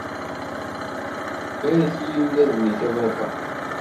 Barek-iyi, ula d nekk, a baba!